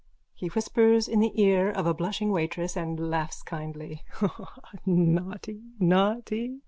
(He whispers in the ear of a blushing waitress and laughs kindly.) Ah, naughty, naughty!